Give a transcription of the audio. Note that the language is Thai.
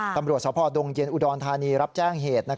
ตำรวจสาวพ่อดงเยียนน์อุดอนธานีรับแจ้งเหตุ